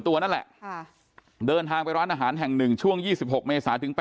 ตัวนั่นแหละเดินทางไปร้านอาหารแห่ง๑ช่วง๒๖เมษาถึง๘